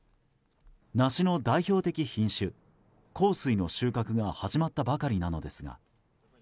梨の代表的品種幸水の収穫が始まったばかりなのですが。